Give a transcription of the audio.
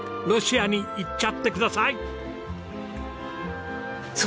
ロシアに行っちゃってください！